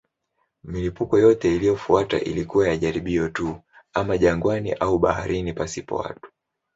Milipuko yote iliyofuata ilikuwa ya jaribio tu, ama jangwani au baharini pasipo watu.